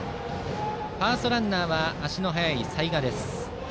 ファーストランナーは足の速い齊賀。